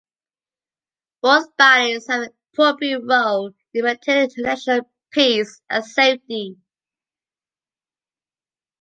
Both bodies have an appropriate role in maintaining international peace and safety.